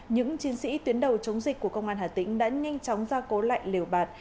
những chiến sĩ tuyến đầu chống dịch của công an hà tĩnh đã nhanh chóng ra cố lại liều bạt